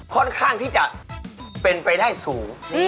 ค่อนข้างที่จะเป็นไปได้สูง